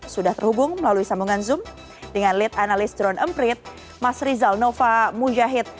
sudah terhubung melalui sambungan zoom dengan lead analis drone emprit mas rizal nova mujahid